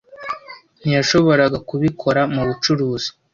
Ntiyashoboraga kubikora mubucuruzi.